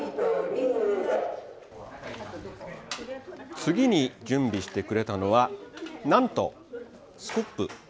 次に準備してくれたのはなんとスコップ。